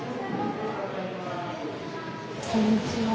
こんにちは。